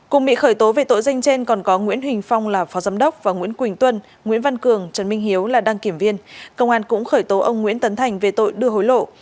cùng bị khởi tố về tội danh trên còn có nguyễn huỳnh phong là phó giám đốc và nguyễn quỳnh tuân nguyễn văn cường trần minh hiếu là đăng kiểm viên công an cũng khởi tố ông nguyễn tấn thành về tội đưa hối lộ